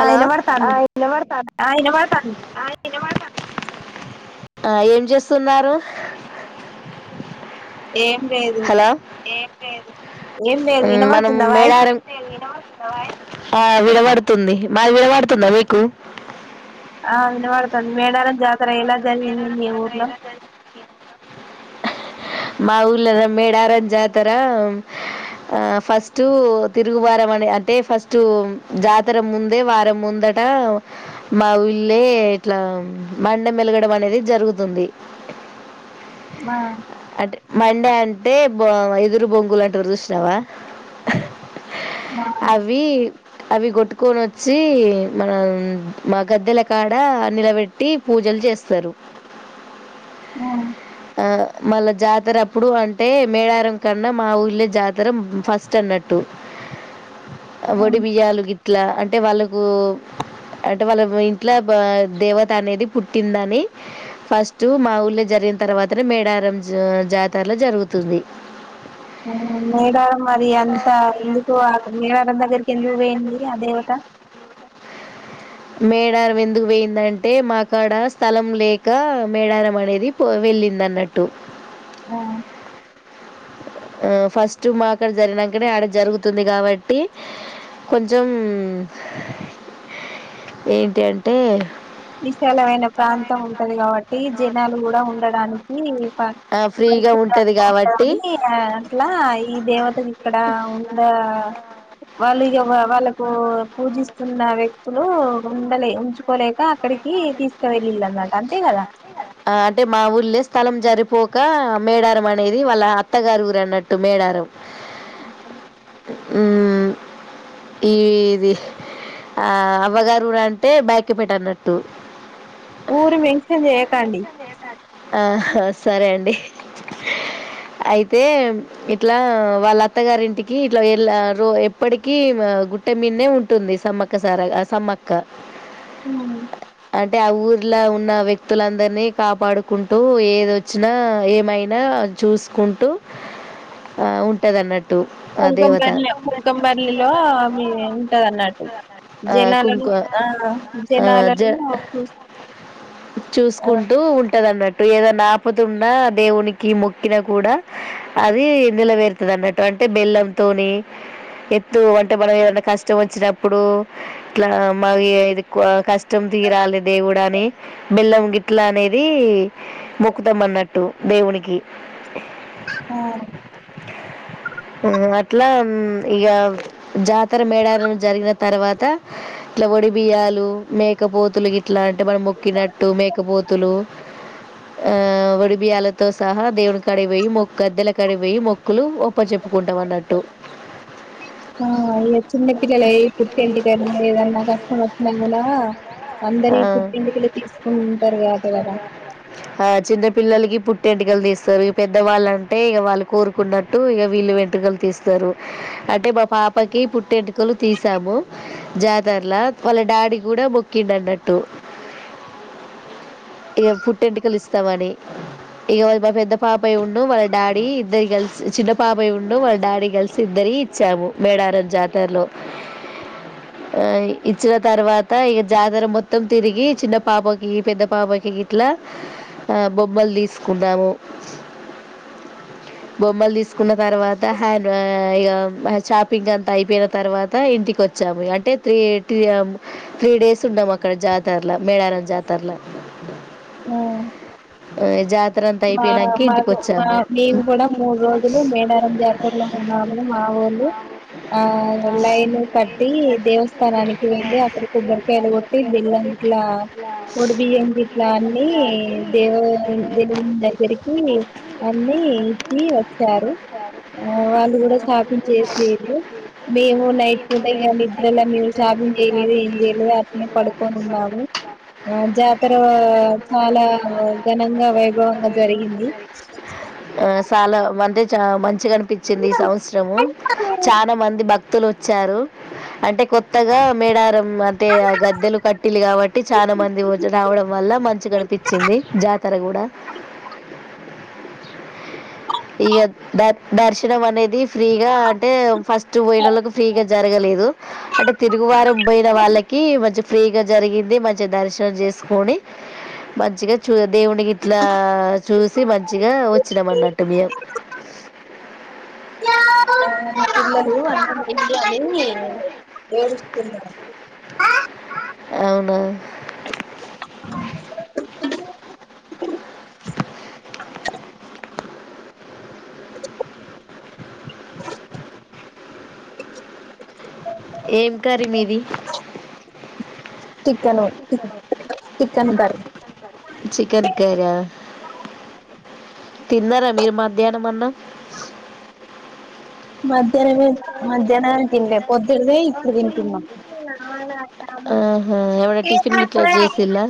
ఆ ఇనబడతాంది ఆ ఇనబడతాంది ఆ ఏం చేస్తున్నారు ఏ హలో ఏ ఏం లేదు మనం వినబడుతుందా వాయిస్ మేడారం ఆ విడబడుతుంది మాది విడవడుతుందా మీకు ఆ వినపడుతుంది మేడార జాతర ఎలా జరిగింది మీ ఊరులో మా ఊర్లో మేడారం జాతర ఆ ఫస్ట్ తిరుగు వారం అని అంటే ఫస్ట్ జాతర ముందే వారం ముందట మా ఊళ్ళే ఇట్లా మండ మలగడం అనేది జరుగుతుంది ఆ మండే అంటే బొ ఎదురు బొంగులు అంట చూసినావా మా అవి అవి కొట్టుకొని వచ్చి మనం మా గద్దెల కాడ నిలబెట్ టీ పూజలు చేస్తారు ఆ, ఆ మళ్ళా జాతర అప్పుడు అంటే మేడారం కన్నా మా ఊళ్ళ జాతర ఫస్ట్ అన్నట్టు ఆ, వడి బియ్యలు ఇట్లా అంటే వాళ్ళకు అంటే వాళ్ళ ఇంట్లో దేవత అనేది పుట్టిందని ఫస్ట్ మా ఊళ్ళ జరిగిన తర్వాతనే మేడారం జ జాతరలో జరుగుతుంది మేడారం మరి అంత ఎందుకు మేడారం దగ్గరికి ఎందుకు వేయంంది ఆ దేవత మేడారం ఎందుకు పోయిందంటే మాకాడ స్థలం లేక మేడారం అనేది పో వెళ్ళింది అన్నట్టు ఆ ఆ ఫస్ట్ మా అక్కడ జరినాకనే ఆడ జరుగుతుంది కాబట్టి కొంచెం ఏంటి అంటే విశాలమైన ప్రాంతం ఉంటది కాబట్టి జనాలు కూడా ఉండడానికి ఫ్రీగా పరిశ ఉంటుంది ఉ కాబట్టి అట్లా ఈ దేవత ఇక్కడ ఉండ వాళ్ళు వాళ్ళకు పూజిస్తున్న వ్యక్తులు ఉండలే ఉంచుక గా [inaudible] అక్కడికి తీసుకువెళ్ళి నా అంతే కద ఆ అంటే మా ఊళ్ళే స్థలం జరిపోక మేడారం అనేది వాళ్ళ అత్తగారు ఊరు అన్నట్టు మేడారం అ [inaudible] ఈది అవ్వగారుఊర అంటే బయకి పెట అన్నట్టు ఊరు మెన్షన్ చేయకండి ఆ సరే అండి అయితే ఇట్లా వాళ్ళ అత్తగారింటికి ఇట్లాలా రో ఎప్పటిక గుట్టె మీన్నే ఉంటుంది సమ్మక్కసార సమ్మక్క హూ అంటే ఆ ఊర్లో ఉన్న వ్యక్తులందరినీ కాపాడుకుంటూ ఏద వచ్చినా ఏమైనా చూసుకుంటూ ఉంటందిన్నట్టు కుంకుమపర్లి కుంకపరలిలో ఉంటది అన్నట్టు ఆ జనాలను కుంకు ఆ ఆ జ జనాలను చూ ఆ ఉన్నట్టు ఏదన్నా ఆపుతున్నా దేవునికి మొక్కిన కూడా అది నిలవేరుతుంది అన్నట్టు అంటే బెల్లంతోని ఎత్తు అంటే మనం ఏదనా కష్టం వచ్చినప్పుడు ఇలా మది కష్టం తీరాలి దేవుడు అని బెల్లం గ ఇట్లా అనేది మొక్కుతాం అన్నట్టు దేవునికి ఆ అట్లా ఇక జాతర మేడారంల జరిగిన తర్వాత ఇట్లా ఒడి బియ్యాలు మేకపోతులు ఇట్లా అంటే మనం మొక్కినట్టు మే ఆ వడి బియ్యలతో సహా దేవునికాడివొయి మొ గద్దెలకాడివేయి మొక్కులు ఒప్ప చెప్పుకుంటాం అన్నట్టు ఆ ఇ చిన్న పిల్లల పుట్టింటికలు ఏదన్నా కష్టం వచ్చినా కూడా ఆ, అందరి పుట్టింటికలు తీసుకు ఆ చిన్న పిల్లలకి పుట్టే వెంటకలు తీస్తారు పెద్దవాళ్ళంటే ఇ వాళ్ళు కోరుకున్నట్టు ఇక వీళ్ళు వెంటుకలు తీస్తారు అంటే మా పాపకి పుట్టి వెంటుకలు తీసాము జాతరలా వాళ్ళ డాడీ కూడా మొక్కిడు అన్నట్టు ఇక పుట్టెంటుకలు ఇస్తామని ఇక మా పెద్ద పాపయ ఉండు వాళ్ళ డాడీ ఇద్దరి కలిసి చిన్న పాపయ ఉండు వాళ్ళ డాడీ కలిసి ఇద్దరి ఇచ్చాము మేడారం జాతరలో ఆ ఇచ్చిన తర్వాత ఇక జాతర మొత్తం తిరిగి చిన్న పాప పెద్ద పాపకి గట్లా బొమ్మలు తీసుకున్నాము బొమ్మలు తీసుకున్నం తర్వాత ఇ షాపింగ్ అంతా అయిపోయిన తర్వాత ఇంటికి వచ్చాము అంటే త్రీ త్రీ డేస్ ఉన్నాము అక్కడ జాతరలా మేడారం జాతర తర్లా జత మా మా మా మేము కూడా మూడు రోజులు మేడారం జాతరలో ఉన్నాము మా ఊళు ఆ లైన్ కట్టి దేవస్థానానికి వెళ్ళి అక్కడ కొబ్బరికాయలు కొట్టి బిల్లంట్లా వడిబియ్యం అట్లా అని ఇట్లా అన్ని దేవు ద దగ్గరికి అన్ని ఇచ్చి వచ్చారు ఆ వాళ్ళు కూడా షాపింగ్ చేసరు మేము నైట్ పుట ఇ నిద్రలా మీరు షాపింగ్ చేయలేదు ఏం చేయలేదు అట్నే పడుకొనిన్నాము ఆ జాతర చాలా ఘనంగా వైభవంగా జరిగింది అ సాల వంద చ మన్ మంచిగా అనిపించింది ఈ సంవత్సరము చాలా మంది బక్ తులు వచ్చారు అంటే కొ కొత్తగా మేడారం అంటే ఆ గద్దెలు కట్టిలు కాబట్టి [unintelligible] రావడం వల్ల మంచి కనిపించింది జాతర కూడా ఇగ ద దర్శనం అనేది ఫ్రీగా అంటే ఫస్ట్ పోయిన పోయినోలకు ఫ్రీగా జరగలేదు అంటే తిరుగువారం పోయిన వాళ్ళకి మంచి ఫ్రీగా జరిగింది మంచి మంచి దర్శనం చేసుకొని మంచిగా చూ దేవుడినికి ఇట్లా చూసి మంచిగా వచ్చినాం అన్నట్టు మియామ్ అ మా పిల్లలు అందరు [unintelligible] ఏడుస్తున్నారు అవునా అ అ ఏం కర్రీ మీది chicken chicken curry chicken curry ఆ తిన్నారా మీరు మధ్యాహ్నం అన్నం మధ్యాహ్నమే మధ్యాహ్నమే తినేలె పొద్దుడుదే ఇప్పుడు తింటున్నాం ఆహా ఏమైనా టిఫిన్ గిట్ల చేసిలా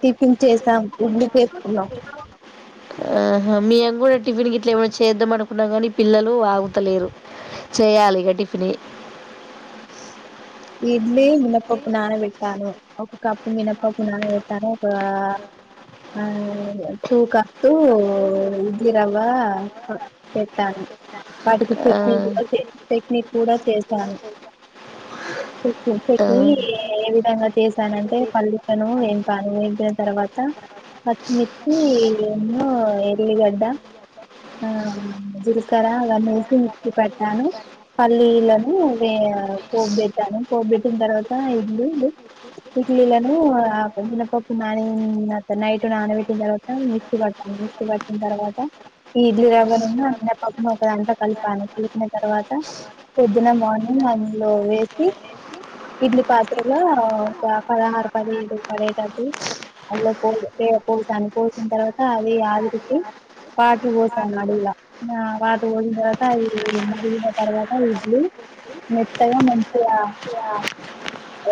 టిఫిన్ చేస్ ఉండి‌ చేసుకున్నాం ఆహ మేం కూడా టిఫిన్ ఇట్లా ఏమన్నా చేద్దాం అనుకున్నాం కానీ పిల్లలు అగుతలేరు చేయాలి ఇక టిఫిని ఇడ్లి మినపప్పు నానపెట్టాను ఒక కప్పు మినప్పప్పు నాన పెట్టను ఒక ఆ టూ కప్ టు కప్స్ ఉ వా చేతాను వాటికి ఆ, చట్నీ దోస చట్నీ కూడా చేశాను ఆ, చట్నీ ఏ విధంగా చేసానంటే పలెలను వెంపాను తర్వాత పచ్చిమిర్చి ను ఎల్లిగడ్డ ఆ జీలకర్ర అవన్ని వేసి మిక్సీ పటను పల్లీలను పోబ్బెట పోబ్బెట్టిన తర్వాత ఇడ్లీలు ఇడ్లీలను మినపప్పు నాని నైట్ నానబెట్టిన తర్వాత మిక్సీ పడతాను మిక్స్ పట్టిన తరువాత ఈ ఇడ్లి రవ్వను అ మినపప్పు ను ఒకదాంట్లో కలిపాను కలిపిన తర్వాత పొద్దున మార్నింగ్ అందులో వే ఇడ్లి పాత్రగా ఒక పదహారు పదిహేడు పడేటటు అందులో పో పోసాను పోసిన తర్వాత అది ఆవిరికి వాటర్ పోసాను అడుగుల వాటర్ పోసిన తర్వాత అవి మరిగిన తర్వాత ఇడ్లీ మెత్తగా మన్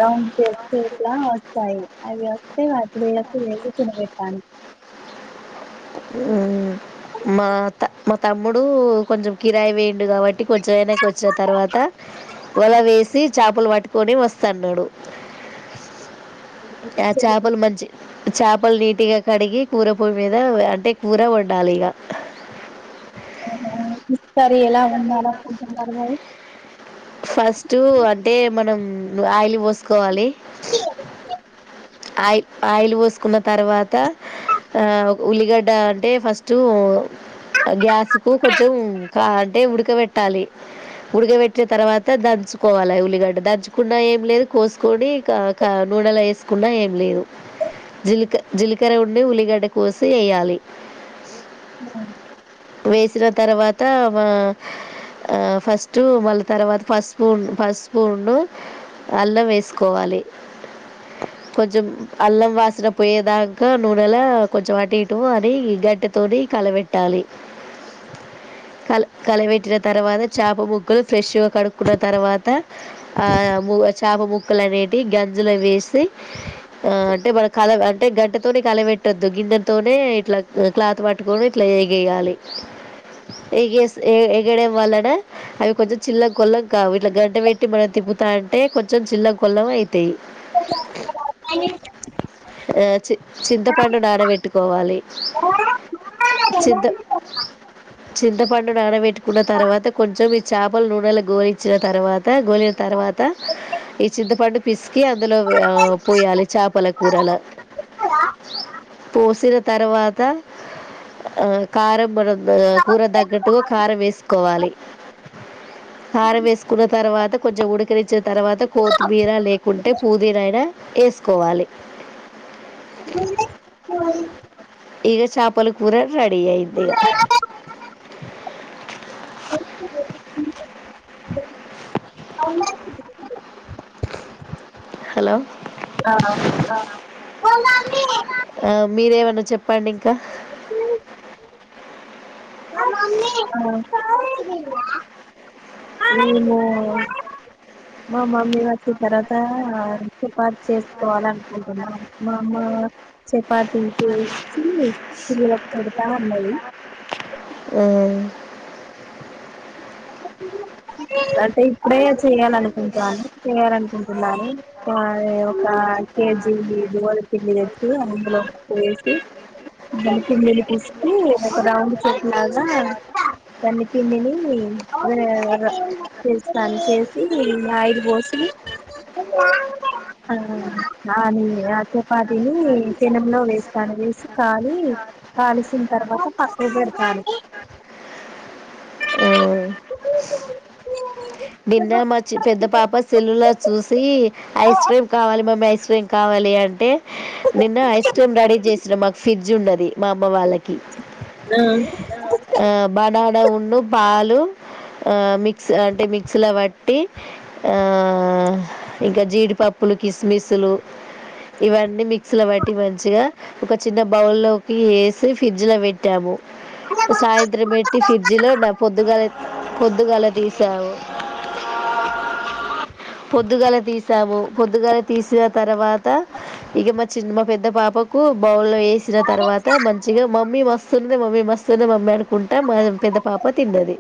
రౌండ్ చేస్త ఇట్లా వస్తాయి అవి వస్తే పిల్లకు వేసి తినపెడతాను ఉమ్. మా త మా తమ్ముడు కొంచెం కిరాయి పోయిండు కాబట్టి కొంచెం వెనక్కి వచ్చిన తర్వాత వల వేసి చేపలు పట్టుకొని వస్తాన్నాడు ఆ చేపలు మంచి చేపలు నీటిగా కడిగి కూర పూయ మీద అంటే కూర వండాలి ఇక ఇస్తారు ఎలా ఉండాలనుకుంటున్నారు మరి ఫస్ట్ అంటే మనం ఒయిలు బస్త తీసుకోవాలి ఆయిల్ ఆయిల్ పోసుకున్న తర్వాత ఆ ఉల్లిగడ్డ అంటే ఫస్ట్ గ్యాస్ కు కొంచెం కా అంటే ఉడకబెట్టాలి ఉడకబెట్టిన తర్వాత దంచుకోవాలివి ఉల్లిగడ్డ దంచుకున్న ఏం లేదు కోసుకొని నూనెలో వేసుక కు ఏం లేదు జక జీలకర ఉండి ఉల్లిగడ్డ కోసి వేయాలి అ వేసిన తర్వాత మా ఫస్ట్ మళ్ళీ తర్వాత ఫస్ స్పూన్ ఫస్ట్ స్పూన్న అల్లం వేసుకోవాలి కొంచెం అల్లం వాసిన పోయేదాకా నూనెలా కొంచెం అటు ఇట అని గడ్డితోని కలబెట్టాలి కల కలబెట్టిన తర్వాత చేప ముక్కలు ఫ్రెష్గా కడుక్కున్న తర్వాత ఆ చాప ము ముక్కలనేటి గంజిలో వేసి ఆ అంటే మన కల అంటే గంటతోనే కల పెట్టొద్దు గిన్నెతోనే ఇట్లా క్లాత్ పట్టుకొని ఇట్లా ఎగేయాలి ఎగే ఎగడం వలన అవి కొంచెం చిల్ల కొలం కావు ఇట్లా గంట పెట్టి మనం తిప్పుతా అంటే కొంచెం చిల్ల కొలం అవు తీ ఆ చి చింతపండు నానబెట్టుకోవాలి చింత చింత పన్నడుడాన వీటు న్న తర్వాత కొంచెం చేపల నూడెల్ గోలించిన తర్వాత గోలిన తర్వాత ఈ చింతపండు పిసికి అందులో పోయాలి చేపల కూరల పోసిన తర్వాత ఆ కారం మనం కూర తగ్గట్టుగా కారం వేసుకోవాలి కారం వేసుకున్న తర్వాత కొంచెం ఉడికినిచ్చిన తర్వాత కొత్తిమీర లేకుంటే పుదీనయినా వేసుకోవాలి దూ పోవాలి చపలకుకి కూర రె ధెండిగా అయిధి ఇగా ఓ [unintelligible] హలో ఆ, ఆ మీరేమన్నా చెప్పండి ఇంకా ఓ మమ్మీ [unintelligible] అయ్‌పోయింధా మెము మా మమ్ మీ వా చె తర్వాత సుపాటు చేసుకోవాల అనుకుంటున్నాం మా అమ్మ చపాతి చేసి పెడతా ఉన్నాయి ఉమ్ అ అ ఇప్పుడే చేయాలనుకుంటున్నాను చేయాలనుకుంటున్నాను ఆ ఒక కేజీ నువులా పిండి తెచ్చి అందులో వేసి ద పిండిని తీసు ఒక రౌండ్ చుట్ లాగా దన్ని పిండిని చేస్తాను చేసి ఆయిల బోసులు దని ఆ చపాతిని తినెంలో వేస్తాను వేసి కాలి కాలిసిన తర్వాత పక్కకు పెడతాను ఆ. ఇ నిన్న మా పెద్ద పాప సల్లులా చూసి ఐస్ క్రీమ్ కావాలి మమ్మీ ఐస్ క్రీ క్ర కావాలి అంటే నిన్న ఐస్ క్రీమ్ రెడీ చేసిన మాకు ఫ్రిడ్జ్ ఉన్నది మా మా వాళ్ళకి బనానా పాలు మిక్స్ అంటే లో బట్టి ఆ ఇంకా జీడిపప్పులు కిస్మిసులు ఇవన్నీ మ అసలు బట్టి మంచిగా ఒక చిన్న బౌల్ లోకి వేసి ఫ్రిడ్జ్ లో పెట్టాము సాయంత్ర మెట్టి ఫ్రిడ్జ్ లో నా పొద్దుకాల పొద్దుగల తీసాము పొద్దుగల తీసాము పొద్దుగాల తీసిన తర్వాత ఇక మా చిన్న మా పెద్ద పాపకు బౌళ వేసిన తర్వాత మంచిగా మమ్మీ మా మస్తుంది మమీ మస్తుంది మమ అకు ఉంటా మా పెద్ద పాప తిన్నది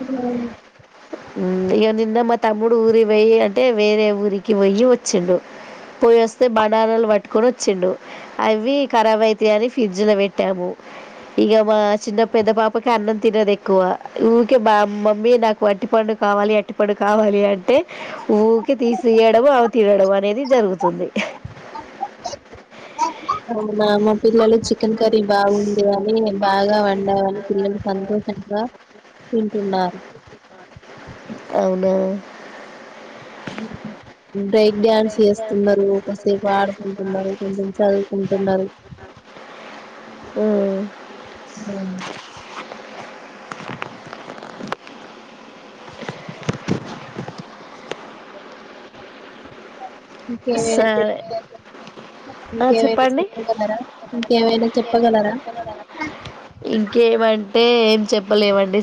అ ఇక నిన్న మా తమ్ముడు ఊరి పోయి అంటే వేరే ఊరికి పోయి వచ్చిండు పోయి వస్తే బనానాలు పట్టుకొని వచ్చిండు అవి ఖరాబ్ అయితాయని ఫ్రిడ్జ్ లో పెట్టాము ఇక మా చిన్న పెద్ద పాపకి అన్నం తినదు ఎక్కువ మా మమ్మీ నాకు అటి పండు కావాలి అటి పండు కావాలి అంటే ఊరికి తీసియడం అవి తినడం అనేది జరుగుతుంది అవునా మా పిల్లలు చికెన్ కర్రీ బాగుంది అని బాగా వండావని పిల్లలు సంతోషంగా తిన్నారు అవునా బ్రేక్ డ్యాన్స్ చేస్తున్నారు ఒకసేపు ఆడుకుంటున్నారు కొంచెం చదువుకుంటున్నారు ఉ అ ఇంకేవైనా చె సరే ఆ, ఇంకేవైనా చెప్పండి చెప్పగలరా ఇంకేవైనా చెప్పగలరా అంటే ఏం చెప్పలేవండి